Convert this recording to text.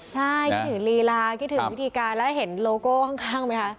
ใช่คิดถึงลีลาคิดถึงวิธีการแล้วเห็นโลโก้ข้างไหมคะ